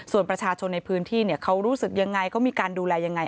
ส่วนประชาชนในพื้นที่เขารู้สึกยังไงเขามีการดูแลยังไง